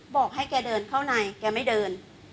บอกให้แกเดินเข้าในแกไม่เดิน